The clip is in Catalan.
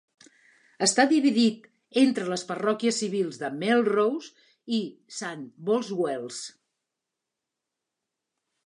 Està dividit entre les parròquies civils de Melrose i St. Boswells.